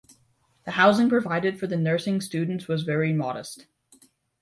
The housing provided for the nursing students was also very modest.